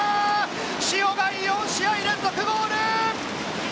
塩貝、４試合連続ゴール！